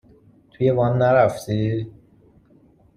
تویِ وان نرفتی؟